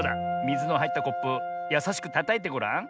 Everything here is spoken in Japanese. みずのはいったコップやさしくたたいてごらん。